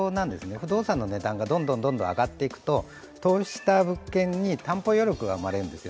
不動産の値段がどんどん上がっていくと投資した物件に担保余録が生まれるんですよ。